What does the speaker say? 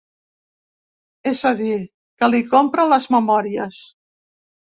És a dir, que li compra les memòries.